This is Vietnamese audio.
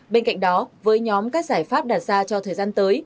bên cạnh đó với nhóm các giải pháp đạt ra cho thời gian tới